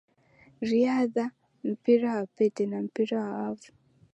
riadha mpira wa pete na mpira wa wavu